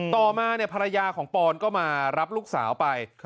ต่อมาภรรยาของปอนก็มารับลูกสาวไป